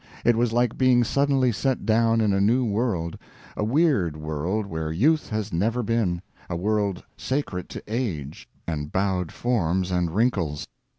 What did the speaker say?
It was like being suddenly set down in a new world a weird world where Youth has never been, a world sacred to Age, and bowed forms, and wrinkles.